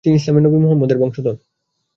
তিনি ইসলামের নবী মুহাম্মদ-এর বংশধর।